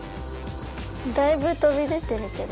だいぶ飛び出てるけど。